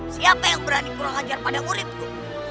siapa yang berani kurang ajar pada muridku